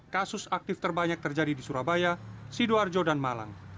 kasus aktif terbanyak terjadi di surabaya sidoarjo dan malang